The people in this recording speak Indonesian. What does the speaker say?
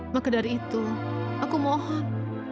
maka dari itu aku mohon